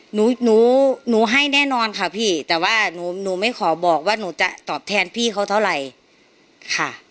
หนูหนูให้แน่นอนค่ะพี่แต่ว่าหนูหนูไม่ขอบอกว่าหนูจะตอบแทนพี่เขาเท่าไหร่ค่ะ